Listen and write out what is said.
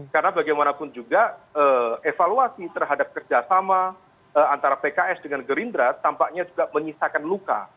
karena bagaimanapun juga evaluasi terhadap kerjasama antara pks dengan gerindra tampaknya juga menyisakan luka